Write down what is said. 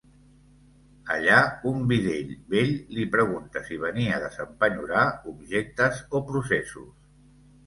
Allà un bidell vell li pregunta si venia a desempenyorar objectes o processos.